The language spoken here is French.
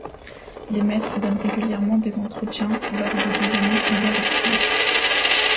Les maîtres donnent régulièrement des entretiens lors de déjeuners ouverts au public.